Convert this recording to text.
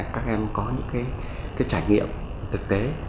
các em có những trải nghiệm thực tế